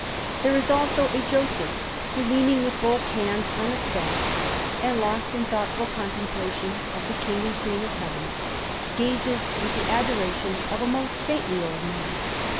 There is also a Joseph, who, leaning with both his hands on a staff, and lost in thoughtful contemplation of the King and Queen of Heaven, gazes with the adoration of a most saintly old man.